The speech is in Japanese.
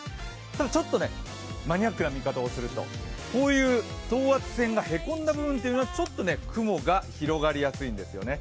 ただちょっとマニアックな見方をすると、こういう等圧線がへこんだ部分はちょっと雲が広がりやすいんですね。